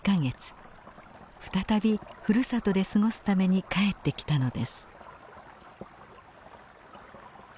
再びふるさとで過ごすために帰ってきたのです。